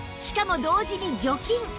しかも同時に除菌